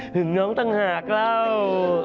ถึงน้องต่างหากเล่า